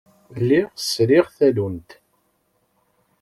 Lliɣ sriɣ tallunt.